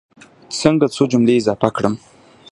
څنګه څو جملې اضافه کړم.